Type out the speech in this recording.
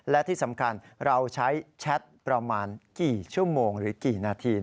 และที่สำคัญเราใช้แชทประมาณกี่ชั่วโมงหรือกี่นาที